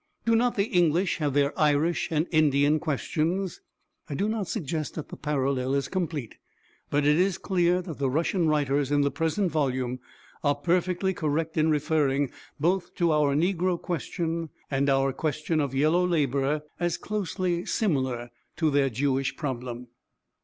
Do not the English have their Irish and Indian questions? I do not suggest that the parallel is complete, but it is clear that the Russian writers in the present volume are perfectly correct in referring both to our negro question and our question of yellow labour as closely similar to their Jewish problem.